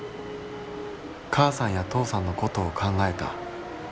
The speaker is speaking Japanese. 「母さんや父さんのことを考えた。